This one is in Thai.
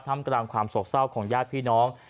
ห้ามกระดามความโศกเศร้าของญาติพี่น้อง